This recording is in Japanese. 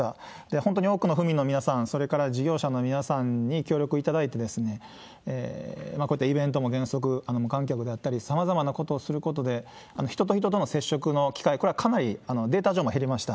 本当に多くの府民の皆さん、それから事業者の皆さんに協力いただいて、こういったイベントも原則無観客であったり、さまざまなことをすることで、人と人との接触の機会、これかなりデータ上も減りました。